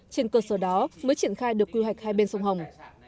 trên cơ sở đó mới triển khai được quy hoạch hai bên sông hồng